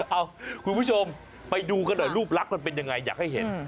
คุณผู้ชมไปดูกันหน่อยรูปลักษณ์มันเป็นยังไงอยากให้เห็น